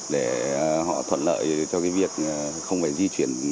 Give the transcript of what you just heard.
để họ thuận lợi cho cái việc không phải di chuyển